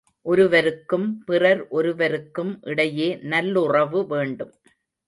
ஒருவருக்கும், பிறர் ஒருவருக்கும் இடையே நல்லுறவு வேண்டும்.